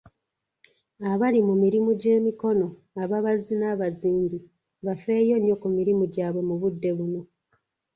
Abali mu mirimu gy'emikono, ababazzi, n'abazimbi, bafeeyo nnyo ku mirimu gyabwe mu budde buno.